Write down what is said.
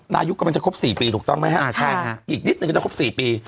นายกก็มันจะครบ๔ปีถูกต้องไหมฮะอีกนิดนึงก็จะครบ๔ปี